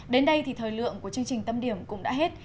đến đây thì thời lượng của chương trình tâm điểm cũng đã hết